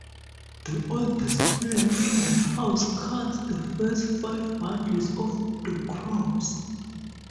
The oldest man in the house cuts the first five bundles of the crop.